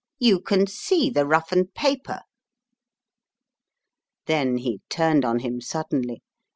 "You can see the roughened paper." Then he turned on him suddenly.